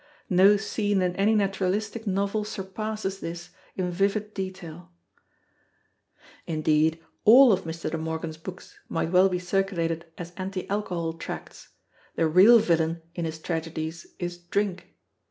No scene in any naturalistic novel surpasses this in vivid detail. Indeed, all of Mr. De Morgan's books might well be circulated as anti alcohol tracts; the real villain in his tragedies is Drink.